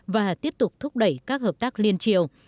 và tiếp tục thúc đẩy các hợp tác liên triều